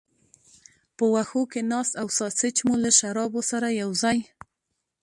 په وښو کې ناست او ساسیج مو له شرابو سره یو ځای.